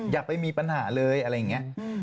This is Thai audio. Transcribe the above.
อย่าไปมีปัญหาเลยอะไรอย่างนี้